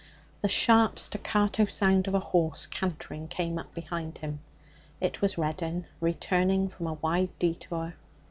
The sharp staccato sound of a horse cantering came up behind him. It was Reddin returning from a wide detour.